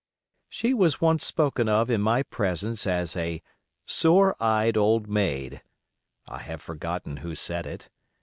She was once spoken of in my presence as "a sore eyed old maid"—I have forgotten who said it.